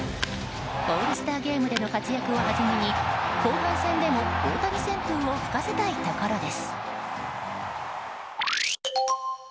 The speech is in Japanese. オールスターゲームでの活躍を弾みに後半戦でも大谷旋風を吹かせたいところです。